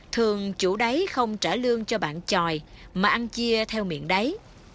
thường chủ đáy không trả lương cho bạn tròi mà ăn chia theo miệng đáy